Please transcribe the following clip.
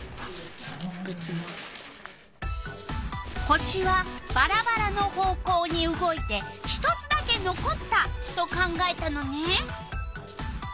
星はばらばらの方向に動いて１つだけのこったと考えたのね。